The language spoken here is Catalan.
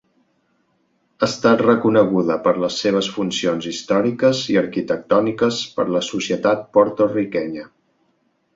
Ha estat reconeguda per les seves funcions històriques i arquitectòniques per la societat porto-riquenya.